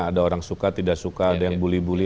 ada orang suka tidak suka ada yang bully bully